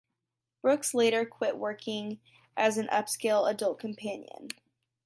Brooks later quit working as an upscale adult companion.